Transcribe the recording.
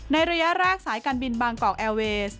ระยะแรกสายการบินบางกอกแอร์เวส